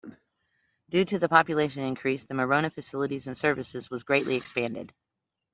Due to the population increase, the Monona facilities and services was greatly expanded.